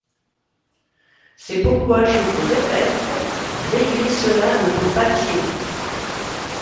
C’est pourquoi je vous répète: rayez cela de vos papiers!...